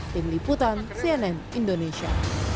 tim liputan cnn indonesia